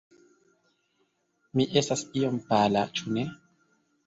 Mi estas iom pala, ĉu ne?